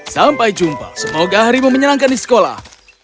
sampai jumpa semoga hari memenyangkan di sekolah